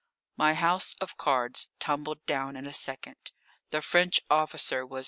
My house of cards tumbled down in a second. The French officer was M.